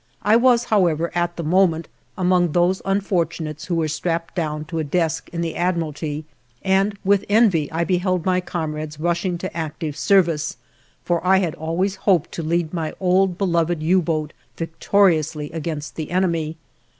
I was, however, at the moment, among those unfortunates who were strapped down to a desk in the Admiralty, and with envy I beheld my comrades rushing to active service, for I had always hoped to lead my old beloved U boat victoriously against the enemy.